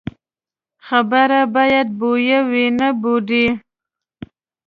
خبره باید بویه وي، نه بوډۍ.